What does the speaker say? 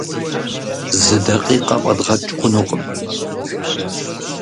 Зы дакъикъэ фӀэдгъэкӀ хъунукъым.